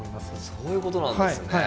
そういう事なんですね。